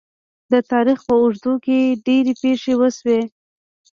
د تاریخ په اوږدو کې ډیرې پېښې وشوې.